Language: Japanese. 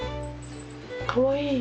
かわいい。